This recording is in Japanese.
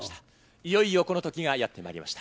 いよいよこの時がやってまいりました。